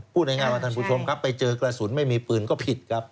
พูดง่ายว่าท่านผู้ชมครับไปเจอกระสุนไม่มีปืนก็ผิดครับ